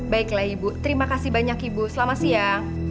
baiklah ibu terima kasih banyak ibu selamat siang